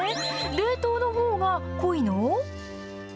冷凍のほうが濃いの？